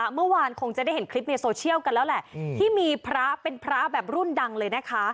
เมื่อวานคงจะได้เห็นคลิปในโซเชียลกันแล้วแหละที่มีพระเป็นพระแบบรุ่นดังเลยนะคะ